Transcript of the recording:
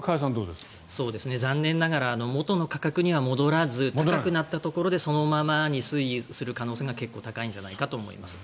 残念ながら元の価格には戻らず、高くなったところでそのまま推移する可能性が結構高いんじゃないかと思います。